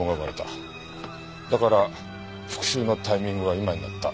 だから復讐のタイミングが今になった。